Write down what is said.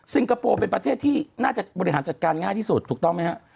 คโปร์เป็นประเทศที่น่าจะบริหารจัดการง่ายที่สุดถูกต้องไหมฮะ